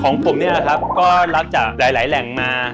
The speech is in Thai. ของผมเนี่ยนะครับก็รับจากหลายแหล่งมา